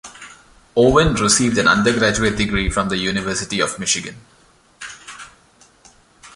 Owen received an undergraduate degree from the University of Michigan.